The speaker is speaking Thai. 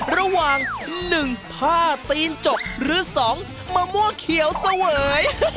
ระหว่าง๑ผ้าตีนจกหรือ๒มะม่วงเขียวเสวย